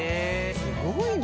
すごいな。